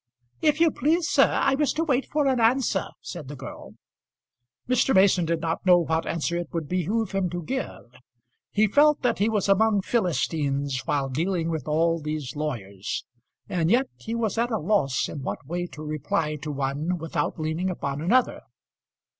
"If you please, sir, I was to wait for an answer," said the girl. Mr. Mason did not know what answer it would behove him to give. He felt that he was among Philistines while dealing with all these lawyers, and yet he was at a loss in what way to reply to one without leaning upon another.